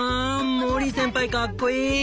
モリー先輩かっこいい！